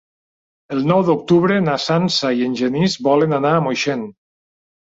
El nou d'octubre na Sança i en Genís volen anar a Moixent.